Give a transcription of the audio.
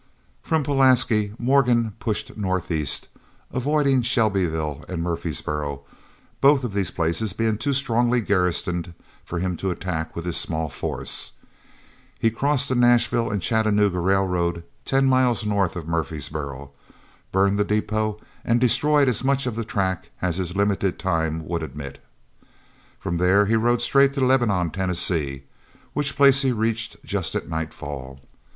From Pulaski Morgan pushed northeast, avoiding Shelbyville and Murfreesboro, both of these places being too strongly garrisoned for him to attack with his small force. He crossed the Nashville and Chattanooga railroad ten miles north of Murfreesboro, burned the depot, and destroyed as much of the track as his limited time would admit. From there he rode straight for Lebanon, Tennessee, which place he reached just at nightfall.